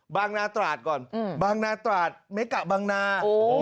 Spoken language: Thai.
นาตราดก่อนบางนาตราดเมกะบางนา